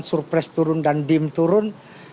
surprise turun dan dim turun